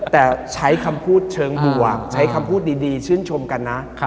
แต่ใช้คำพูดเชิงบวกใช้คำพูดดีชื่นชมกันนะ